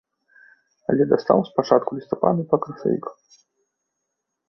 Ледастаў з пачатку лістапада па красавік.